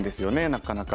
なかなか。